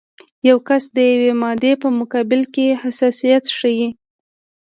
یو کس د یوې مادې په مقابل کې حساسیت ښیي.